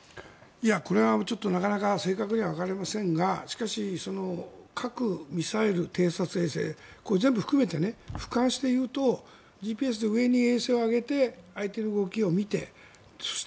これはなかなか正確にはわかりませんがしかし、核、ミサイル、偵察衛星これ、全部含めて俯瞰して言うとＧＰＳで上に衛星を上げて相手の動きを見てそして、